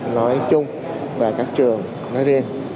nói chung và các trường nói riêng